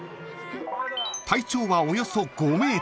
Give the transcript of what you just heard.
［体長はおよそ５ｍ］